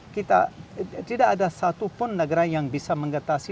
kita tidak ada satu pun negara yang bisa mengatasi